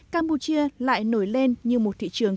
campuchia lại nổi lên như một thị trường